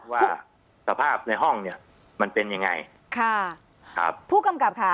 ว่าสภาพในห้องเนี้ยมันเป็นยังไงค่ะครับผู้กำกับค่ะ